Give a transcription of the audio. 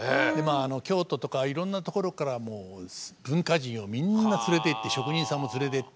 京都とかいろんなところからもう文化人をみんな連れていって職人さんも連れてって。